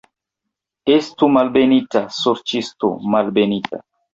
Estu malbenita, sorĉisto, malbenita.